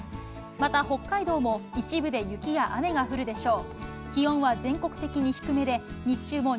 また北海道も一部で雪や雨が降るでしょう。